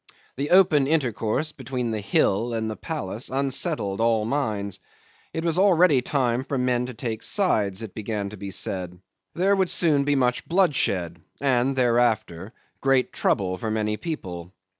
The open intercourse between the hill and the palace unsettled all the minds. It was already time for men to take sides, it began to be said. There would soon be much bloodshed, and thereafter great trouble for many people.